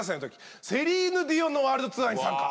セリーヌ・ディオンのワールドツアーに参加。